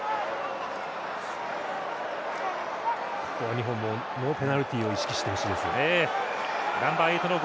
日本もノーペナルティを意識してほしいですね。